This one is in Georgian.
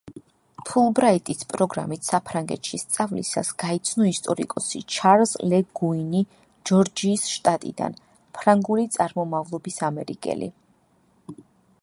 ფულბრაიტის პროგრამით საფრანგეთში სწავლისას გაიცნო ისტორიკოსი ჩარლზ ლე გუინი ჯორჯიის შტატიდან, ფრანგული წარმომავლობის ამერიკელი.